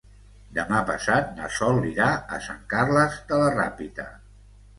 Demà passat na Sol irà a Sant Carles de la Ràpita.